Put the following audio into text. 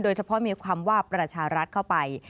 เฉพาะมีความว่าประชารัฐเข้าไป